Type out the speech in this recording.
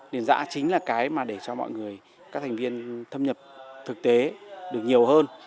điền giã chính là cái mà để cho mọi người các thành viên thâm nhập thực tế được nhiều hơn